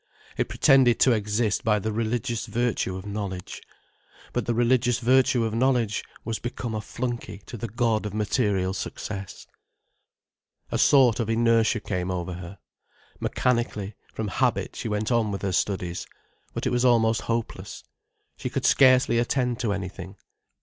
It pretended to exist by the religious virtue of knowledge. But the religious virtue of knowledge was become a flunkey to the god of material success. A sort of inertia came over her. Mechanically, from habit, she went on with her studies. But it was almost hopeless. She could scarcely attend to anything.